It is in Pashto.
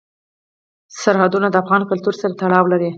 سرحدونه د افغان کلتور سره تړاو لري.